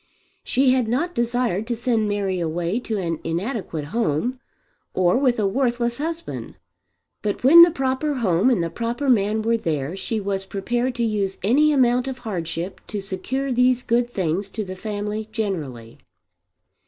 She had not desired to send Mary away to an inadequate home, or with a worthless husband. But when the proper home and the proper man were there she was prepared to use any amount of hardship to secure these good things to the family generally.